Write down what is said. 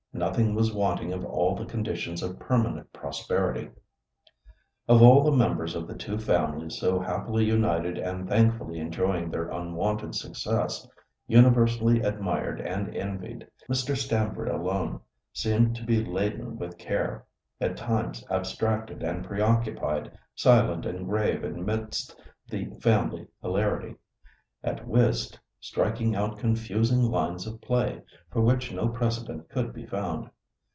Nothing was wanting of all the conditions of permanent prosperity. Of all the members of the two families so happily united and thankfully enjoying their unwonted success, universally admired and envied, Mr. Stamford alone seemed to be laden with care. At times abstracted and preoccupied, silent and grave amidst the family hilarity; at whist, striking out confusing lines of play, for which no precedent could be found.